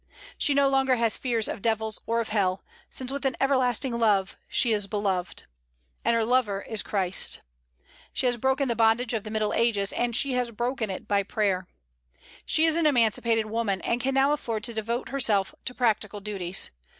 She no longer has fear of devils or of hell, since with an everlasting love she is beloved; and her lover is Christ. She has broken the bondage of the Middle Ages, and she has broken it by prayer. She is an emancipated woman, and can now afford to devote herself to practical duties.